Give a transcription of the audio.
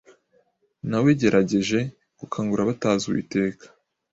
Nawegerageje gukangura abatazi uwiteka.